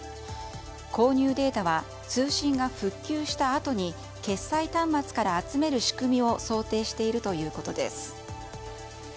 購入データは通信が復旧したあとに決済端末から集める仕組みを想定しているということです。